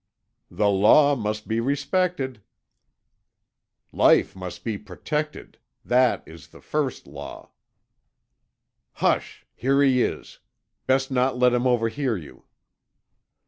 "The law must be respected." "Life must be protected. That is the first law." "Hush! Here he is. Best not let him overhear you."